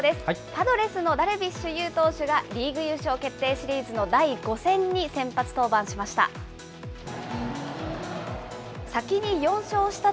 パドレスのダルビッシュ有投手がリーグ優勝決定シリーズの第５戦に先発登板しました。